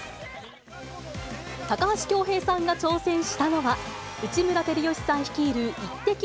高橋恭平さんが挑戦したのは、内村光良さん率いるイッテＱ！